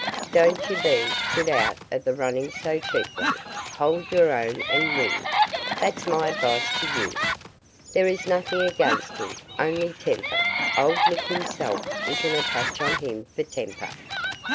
Don't you be put out of the running so cheaply: hold your own and win, that's my advice to you. There is nothing against him, only temper old Nick himself isn't a patch on him for temper."